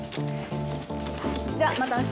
じゃあまた明日。